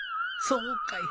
そうかい。